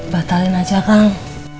batalin aja akang